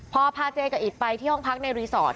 พอพาเจกับอิตไปที่ห้องพักในรีสอร์ท